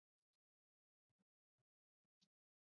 马瑟布。